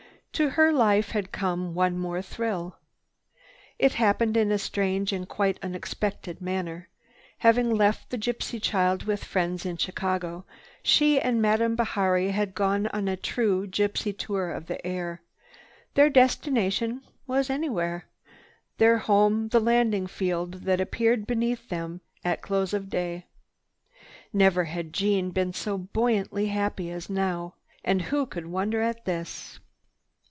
To her life had come one more thrill. It happened in a strange and quite unexpected manner. Having left the gypsy child with friends in Chicago, she and Madame Bihari had gone on a true gypsy tour of the air. Their destination was anywhere, their home the landing field that appeared beneath them at close of day. Never had Jeanne been so buoyantly happy as now. And who could wonder at this?